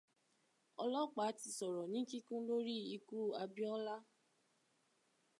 Ọlọ́pàá ti sọ̀rọ̀ ní kíkún lórí ikú Abíọ́lá.